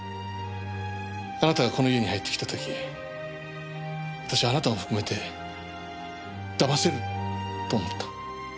あなたがこの家に入ってきた時私はあなたを含めて騙せると思った。